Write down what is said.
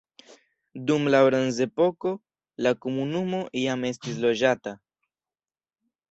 Dum la bronzepoko la komunumo jam estis loĝata.